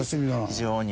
非常に。